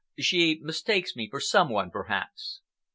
"She mistakes me for some one, perhaps."